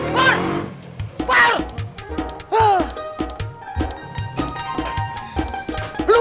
udah mau jalan